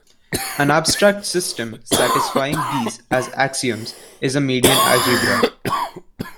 An abstract system satisfying these as axioms is a median algebra.